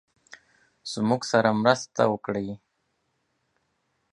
زموږ سره مرسته وکړی.